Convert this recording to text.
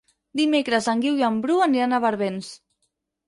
Dimecres en Guiu i en Bru aniran a Barbens.